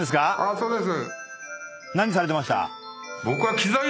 そうです。